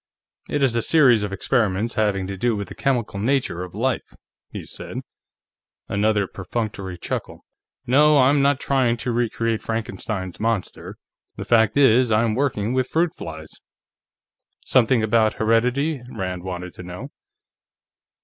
"It is a series of experiments having to do with the chemical nature of life," he said. Another perfunctory chuckle. "No, I am not trying to re create Frankenstein's monster. The fact is, I am working with fruit flies." "Something about heredity?" Rand wanted to know.